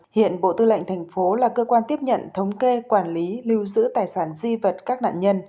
hiện bộ tư lệnh thành phố là cơ quan tiếp nhận thống kê quản lý lưu giữ tài sản di vật các nạn nhân